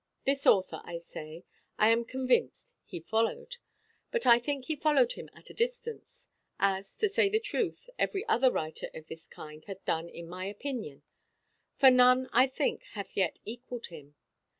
This author, I say, I am convinced, he followed; but I think he followed him at a distance: as, to say the truth, every other writer of this kind hath done in my opinion; for none, I think, hath yet equalled him.